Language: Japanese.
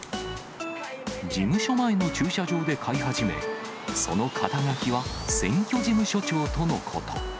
事務所前の駐車場で飼い始め、その肩書は選挙事務所長とのこと。